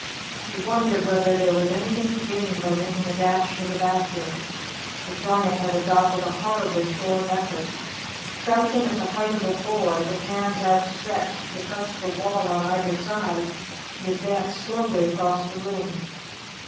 He wondered whether there was anything to gain by making a dash for the bathroom. The Giant had adopted a horribly sure method. Crouching at the height of a boy, with hands outstretched to touch the wall on either side, he advanced slowly across the room.